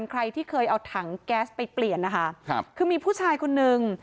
ใครที่เคยเอาถังแก๊สไปเปลี่ยนนะคะครับคือมีผู้ชายคนนึง